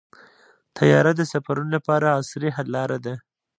طیاره د سفرونو لپاره عصري حل لاره ده.